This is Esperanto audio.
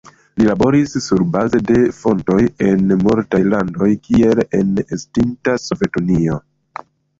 Li laboris surbaze de fontoj en multaj landoj, kiel en estinta Sovetunio.